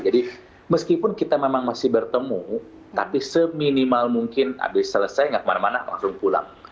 jadi meskipun kita memang masih bertemu tapi seminimal mungkin habis selesai nggak kemana mana langsung pulang